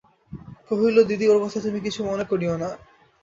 কহিল, দিদি, ওর কথা তুমি কিছু মনে করিয়ো না।